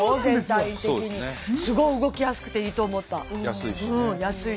すごい動きやすくていいと思った。